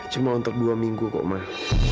cuma untuk dua minggu kok mah